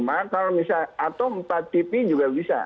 maka atau empat tv juga bisa